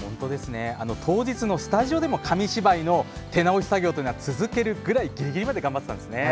当日のスタジオでも紙芝居の手直し作業を続けるぐらいギリギリまで頑張っていたんですね。